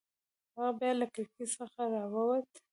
هغه بیا له کړکۍ څخه راووت.